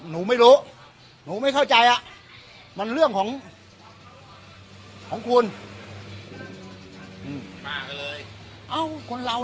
หนูไม่รู้หนูไม่เข้าใจอ่ะมันเรื่องของของคุณป้าก็เลยเอ้าคนเรา